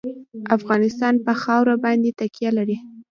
افغانستان په خاوره باندې تکیه لري.